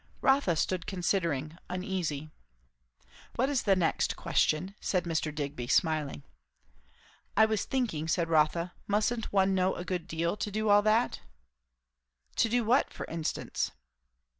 Rotha stood considering, uneasy. "What is the next question?" said Mr. Digby smiling. "I was thinking " said Rotha. "Mustn't one know a good deal, to do all that?" "To do what, for instance?"